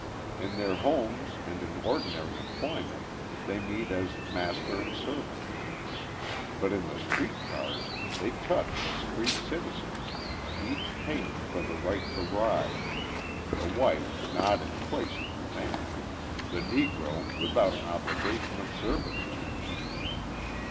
In their homes and in ordinary employment, they meet as master and servant; but in the street cars they touch as free citizens, each paying for the right to ride, the white not in a place of command, the Negro without an obligation of servitude.